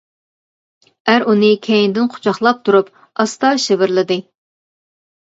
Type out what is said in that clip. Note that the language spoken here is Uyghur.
ئەر ئۇنى كەينىدىن قۇچاقلاپ تۇرۇپ، ئاستا شىۋىرلىدى.